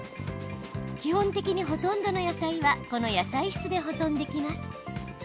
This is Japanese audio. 基本的に、ほとんどの野菜はこの野菜室で保存できます。